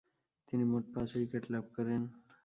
তিনি মোট পাঁচ উইকেট লাভ করেন।